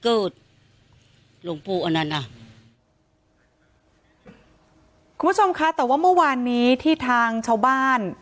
คุณผู้ชมคะแต่ว่าเมื่อวานนี้ที่ทางชาวบ้าน